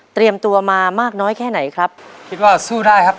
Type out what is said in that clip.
ตัวมามากน้อยแค่ไหนครับคิดว่าสู้ได้ครับ